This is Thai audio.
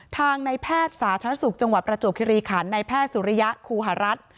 ทางในแพทย์สาธารณสุขจังหวัดประจวบคิริขันในแพทย์สุริยะครูหารัฐ